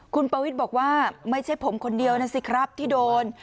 คุณปวิทย์บอกว่าไม่ใช่ผมคนเดียวนะสิครับที่โดน